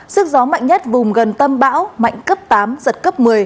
sức gió mạnh nhất vùng gần tâm bão mạnh cấp tám giật cấp một mươi